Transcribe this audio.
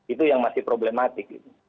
itu yang masih problematik